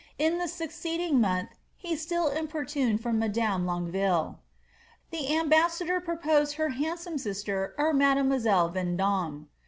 In the succeeding month he still importuned for madame Longueville.'' The ambassador proposed her handsome sister or made moiselle Vendome.